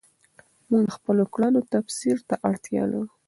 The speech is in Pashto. موږ د خپلو کړنو تفسیر ته اړتیا لرو.